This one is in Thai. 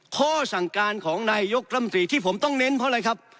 ข้อสั่งการของนายยกรัมตรีที่ผมต้องเน้นเพราะอะไรครับ